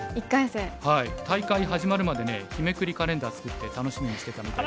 大会始まるまでね日めくりカレンダー作って楽しみにしてたみたいですよ。